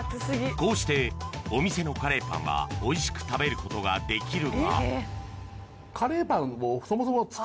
こうしてお店のカレーパンはおいしく食べることができるがそもそも。